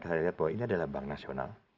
saya lihat bahwa ini adalah bank nasional